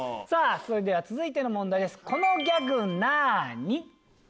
それでは続いての問題です。